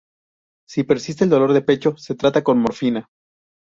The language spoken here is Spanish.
Si persiste dolor de pecho se trata con morfina.